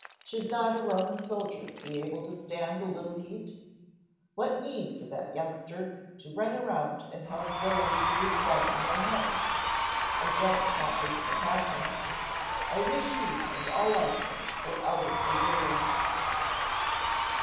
Should not a Roman soldier be able to stand a little heat! What need for that youngster to run around and help those who require no help! I don't want his compassion. I wish he and all like him were out of the world!"